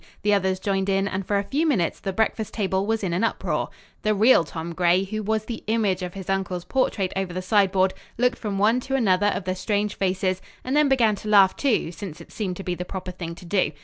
The others joined in and for a few minutes the breakfast table was in an uproar. The real Tom Gray, who was the image of his uncle's portrait over the sideboard, looked from one to another of the strange faces and then began to laugh too, since it seemed to be the proper thing to do.